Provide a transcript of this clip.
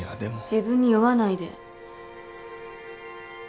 自分に酔わないで。